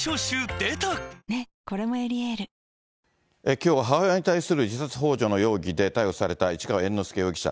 きょうは母親に対する自殺ほう助の容疑で逮捕された市川猿之助容疑者。